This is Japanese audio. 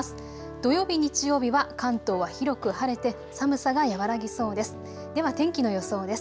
土曜日、日曜日は関東は広く晴れて寒さが和らぎそうです。